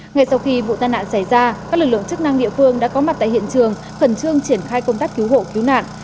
ngay sau khi vụ tai nạn xảy ra các lực lượng chức năng địa phương đã có mặt tại hiện trường khẩn trương triển khai công tác cứu hộ cứu nạn